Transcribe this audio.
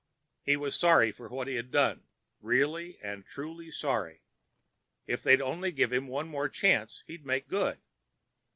He was sorry for what he had done—really and truly sorry. If they'd only give him one more chance, he'd make good.